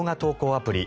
アプリ